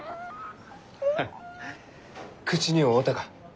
フッ口に合うたか？